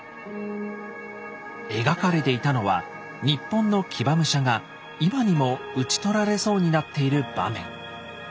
描かれていたのは日本の騎馬武者が今にも討ち取られそうになっている場面。